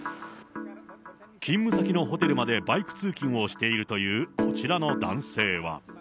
勤務先のホテルまでバイク通勤をしているというこちらの男性は。